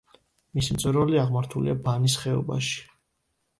მისი მწვერვალი აღმართულია ბანის ხეობაში.